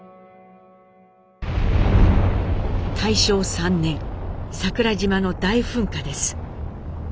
大正３年桜島の大噴火です。